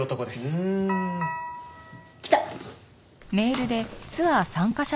うーん。来た。